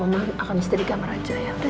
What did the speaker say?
mama akan stay di kamar aja ya